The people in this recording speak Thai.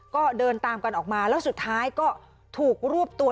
ก็เดินตามกันออกมาแล้วสุดท้ายก็ถูกรวบตัว